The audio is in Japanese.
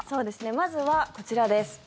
まずは、こちらです。